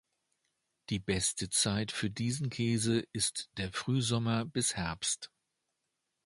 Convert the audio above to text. Die beste Zeit für diesen Käse ist der Frühsommer bis Herbst.